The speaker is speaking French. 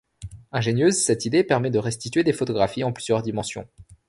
Ingénieuse, cette idée permet de restituer des photographies en plusieurs dimensions.